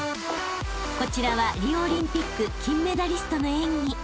［こちらはリオオリンピック金メダリストの演技］